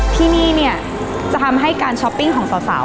ที่นี่เนี่ยจะทำให้การช้อปปิ้งของสาว